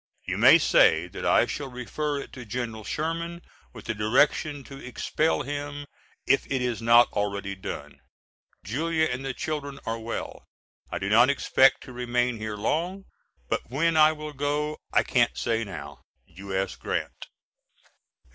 You may say that I shall refer it to General Sherman with the direction to expel him if it is not already done. Julia and the children are well. I do not expect to remain here long but when I will go I can't say now. U.S. GRANT.